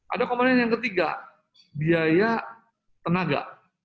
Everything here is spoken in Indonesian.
ada komponen yang ketiga biaya tenaga